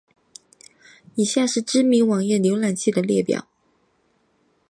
以下是知名的网页浏览器的列表。